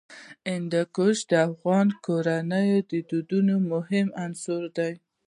هندوکش د افغان کورنیو د دودونو مهم عنصر دی.